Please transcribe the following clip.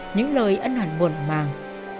những lời ân hẳn buồn màng